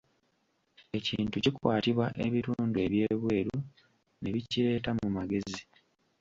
Ekintu kikwatibwa ebitundu eby'ebweru ne bikireeta mu magezi.